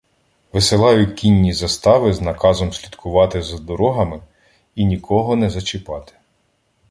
Висилаю кінні застави з наказом слідкувати за дорогами і нікого не зачіпати.